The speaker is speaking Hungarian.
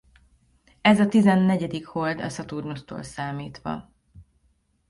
Ez a tizennegyedik hold a Szaturnusztól számítva.